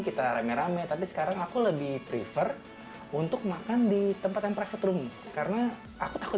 kita rame rame tapi sekarang aku lebih prefer untuk makan di tempat yang private room karena aku takut